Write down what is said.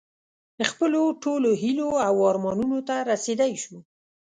خپلو ټولو هیلو او ارمانونو ته رسېدی شو.